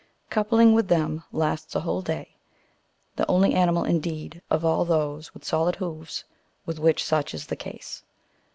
Coupling, with them, lasts a whole day ; the only animal, indeed, of all those with solid hoofs, "^vith which such is the case.